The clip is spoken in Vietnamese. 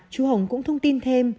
chú hồng cũng thông tin thêm